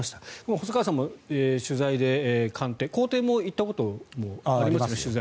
細川さんも取材で官邸、公邸も行ったこともありますよね。